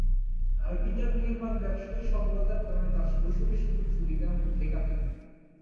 তার পিতার নির্মাণ ব্যবসায়ে সফলতার কারণে তার শৈশবে সুযোগ-সুবিধার মধ্যে কাটে।